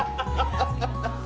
ハハハハハ！